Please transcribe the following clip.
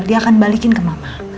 dia akan balikin ke mama